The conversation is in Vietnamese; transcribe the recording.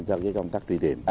cho công tác truy tìm